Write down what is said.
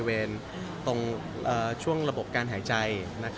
ตรงช่วงระบบการหายใจ